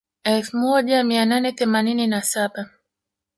Elfu moja mia nane themanini na saba